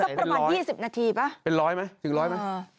สักประมาณ๒๐นาทีเป็นร้อยไหม